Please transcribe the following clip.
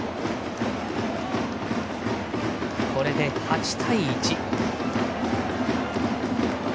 これで８対１。